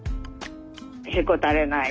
へこたれない